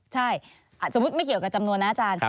ใช่สมมุติไม่เกี่ยวกับจำนวนนะอาจารย์